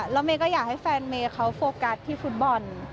แล้วเมย์ก็อยากให้แฟนเมย์เขาโฟกัสที่ฟุตบอล